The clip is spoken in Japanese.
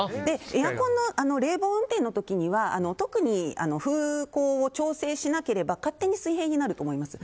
エアコンの冷房運転の時には特に風向を調整しなければ勝手に水平になると思います。